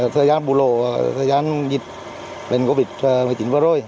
thời gian bù lộ thời gian dịch bệnh covid một mươi chín vừa rồi